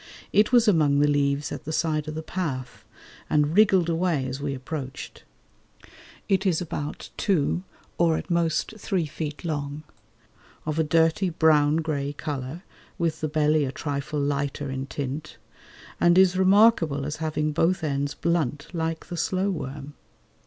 It was among the leaves at the side of the path, and wriggled away as we approached. It is about two or at most three feet long, of a dirty brown grey colour with the belly a trifle lighter in tint, and is remarkable as having both ends blunt like the slow worm.